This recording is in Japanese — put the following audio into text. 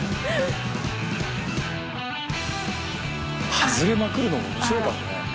外れまくるのも面白いかもね。